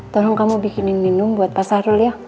tolong kamu bikinin minum buat pak sahrul ya